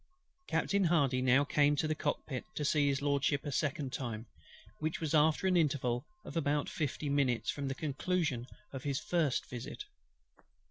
Captain HARDY now came to the cockpit to see HIS LORDSHIP a second time, which was after an interval of about fifty minutes from the conclusion of his first visit.